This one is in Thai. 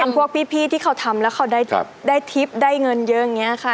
พวกพี่ที่เขาทำแล้วเขาได้ทิพย์ได้เงินเยอะอย่างนี้ค่ะ